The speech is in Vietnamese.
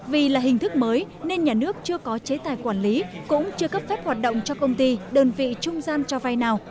vì là hình thức mới nên nhà nước chưa có chế tài quản lý cũng chưa cấp phép hoạt động cho công ty đơn vị trung gian cho vay nào